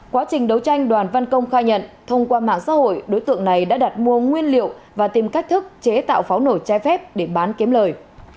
quá trình đấu tranh đoàn văn công khai nhận thông qua mạng xã hội đối tượng này đã đặt mua nguyên liệu và tìm cách thức chế tạo pháo nổ chai phép để bán kiếm lời